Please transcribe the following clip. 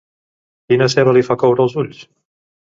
Quina ceba li fa coure els ulls?